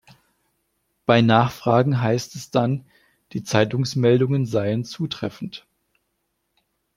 Bei Nachfragen heißt es dann, die Zeitungsmeldungen seien zutreffend.